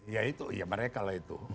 ya itu ya mereka lah itu